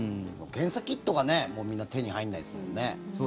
検査キットがみんな手に入らないですもんね。